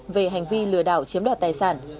về hành vi lừa đảo chiếm đoạt tài sản